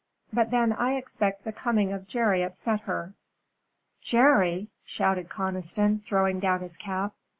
But then I expect the coming of Jerry upset her." "Jerry!" shouted Conniston, throwing down his cap.